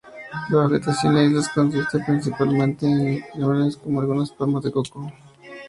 La vegetación de las islas consiste principalmente de gramíneas con algunas palmas de coco.